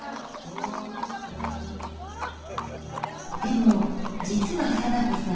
でも実は貞子さん